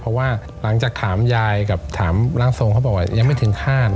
เพราะว่าหลังจากถามยายกับถามร่างทรงเขาบอกว่ายังไม่ถึงขั้น